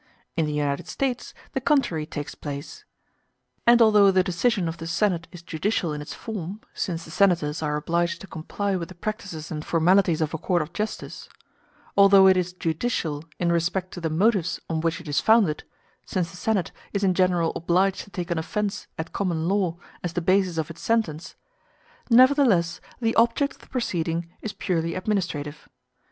In the United States the contrary takes place; and although the decision of the Senate is judicial in its form, since the Senators are obliged to comply with the practices and formalities of a court of justice; although it is judicial in respect to the motives on which it is founded, since the Senate is in general obliged to take an offence at common law as the basis of its sentence; nevertheless the object of the proceeding is purely administrative.